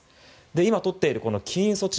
今、とっている禁輸措置